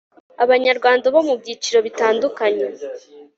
abanyarwanda bo mu byiciro bitandukanye